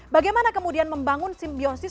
bagaimana kemudian membangun simbiosis